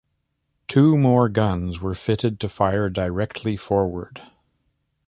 Two more guns were fitted to fire directly forward.